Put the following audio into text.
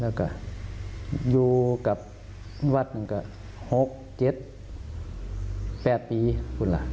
แล้วก็อยู่กับวัดนั้นก็หกเจ็ดแปดปีคุณล่ะ